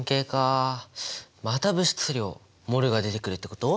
また物質量モルが出てくるってこと？